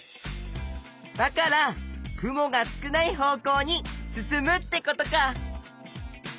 だから雲が少ない方向に進むってことか。